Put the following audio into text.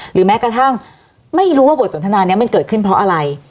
แม้กระทั่งไม่รู้ว่าบทสนทนานี้มันเกิดขึ้นเพราะอะไร